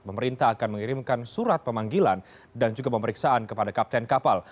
pemerintah akan mengirimkan surat pemanggilan dan juga pemeriksaan kepada kapten kapal